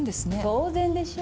当然でしょ。